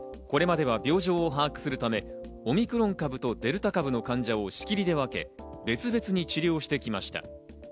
これまでは病状を把握するためオミクロン株とデルタ株の患者を仕切りで分け、別々に治療してきました。